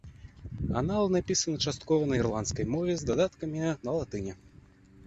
Аналы напісаны часткова на ірландскай мове з дадаткамі на латыні.